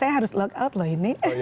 saya harus lok out loh ini